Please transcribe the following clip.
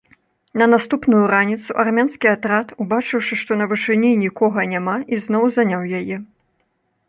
На наступную раніцу армянскі атрад, убачыўшы, што на вышыні нікога няма, ізноў заняў яе.